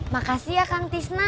makasih ya kang tisna